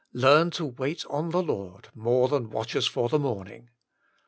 learn to wait on the Lord, more than watchers for the morning.